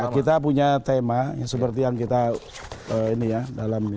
ya kita punya tema yang seperti yang kita ini ya dalam ini ya